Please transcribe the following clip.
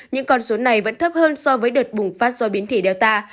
nhưng con số này vẫn thấp hơn so với đợt bùng phát do biến thể delta